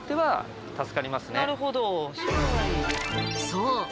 そう！